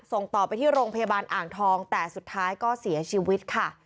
ส่งต่อไปที่โรงพยาบาลอ่างทองแต่สุดท้ายก็เสียชีวิตค่ะ